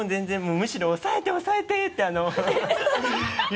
むしろ「抑えて抑えて！」って